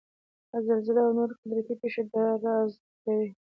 زلزله او نورې قدرتي پېښې دا رازد کوي.